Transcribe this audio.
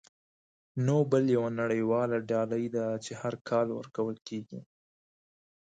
نوبل یوه نړیواله ډالۍ ده چې هر کال ورکول کیږي.